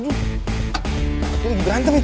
itu lagi berantem itu